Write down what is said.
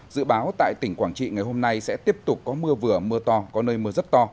dự báo tại tỉnh quảng trị ngày hôm nay sẽ tiếp tục có mưa vừa mưa to có nơi mưa rất to